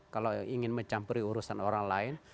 kalau ingin mencampuri urusan orang lain